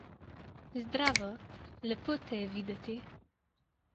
Zdravo! Lepo te je videti!